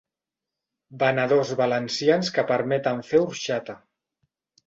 Venedors valencians que permeten fer orxata.